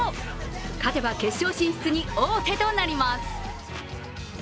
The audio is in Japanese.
勝てば決勝進出に王手となります。